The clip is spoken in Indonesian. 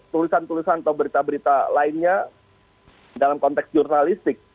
tulisan tulisan atau berita berita lainnya dalam konteks jurnalistik